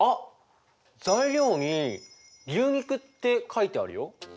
材料に「牛肉」って書いてあるよ。